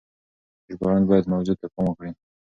ژباړن بايد موضوع ته پام وکړي.